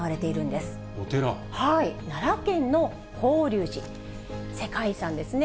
奈良県の法隆寺、世界遺産ですね。